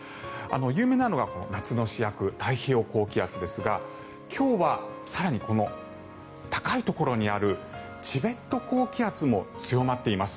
有名なのが夏の主役太平洋高気圧ですが今日は更に高いところにあるチベット高気圧も強まっています。